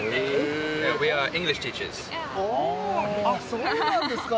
あっそうなんですか。